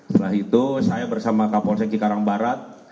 setelah itu saya bersama kapol seki karang barat